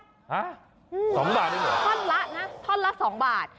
ฮะ๒บาทอีกเหรอท่อนละนะท่อนละ๒บาท